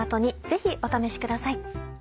ぜひお試しください。